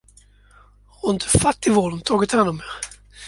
Har inte fattigvården tagit hand om er?